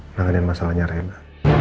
mengenai masalahnya rena